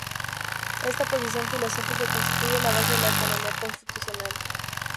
Esta posición filosófica constituye la base de la economía constitucional.